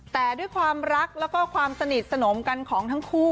แต่ด้วยความรักแล้วก็ความสนิทสนมกันของทั้งคู่